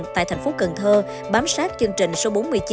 tại thành phố cần thơ bám sát chương trình số bốn mươi chín